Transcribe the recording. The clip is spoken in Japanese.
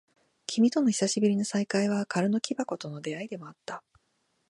君との久しぶりの再会は、空の木箱との出会いでもあった。